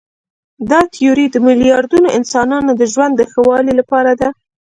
دا تیوري د میلیاردونو انسانانو د ژوند د ښه والي لپاره ده.